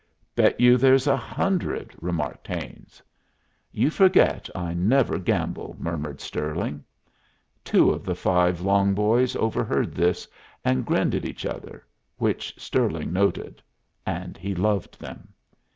"Bet you there's a hundred," remarked Haines. "You forget I never gamble," murmured Stirling. Two of the five long boys overheard this, and grinned at each other, which Stirling noted; and he loved them.